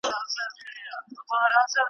موږ د ده په تماشا یو شپه مو سپینه په خندا سي!